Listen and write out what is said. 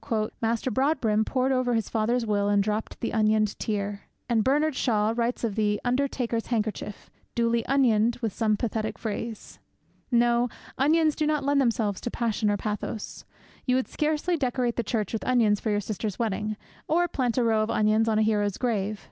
.... Master Broadbrim Pored o'er his father's will and dropped the onioned tear. And Bernard Shaw writes of 'the undertaker's handkerchief, duly onioned with some pathetic phrase.' No, onions do not lend themselves to passion or to pathos. You would scarcely decorate the church with onions for your sister's wedding, or plant a row of onions on a hero's grave.